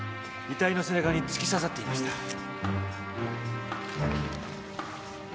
遺体の背中に突き刺さっていました。